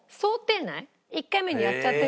１回目にやっちゃってるから。